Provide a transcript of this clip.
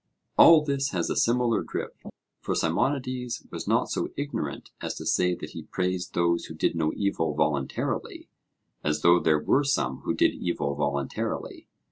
All this has a similar drift, for Simonides was not so ignorant as to say that he praised those who did no evil voluntarily, as though there were some who did evil voluntarily.